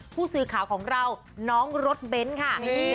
ผู้สื่อข่าวของเราน้องรถเบนท์ค่ะ